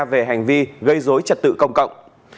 về hành vi gây dối trật tự công cộng